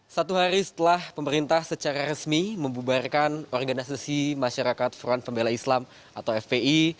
satu hari setelah pemerintah secara resmi membubarkan organisasi masyarakat front pembela islam atau fpi